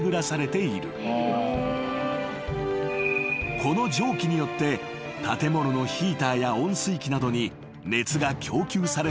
［この蒸気によって建物のヒーターや温水器などに熱が供給されているのだ］